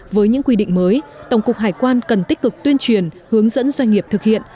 với những quy định mới tổng cục hải quan cần tích cực tuyên truyền hướng dẫn doanh nghiệp thực hiện